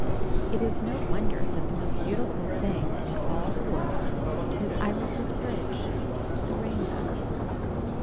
It is no wonder that the most beautiful thing in all the world is Iris' bridge, the rainbow.